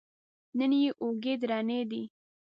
نن یې اوږې درنې دي.